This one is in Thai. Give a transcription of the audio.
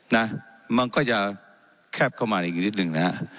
นะมันก็จะแคบเข้ามาในอีกนิดหนึ่งนะฮะ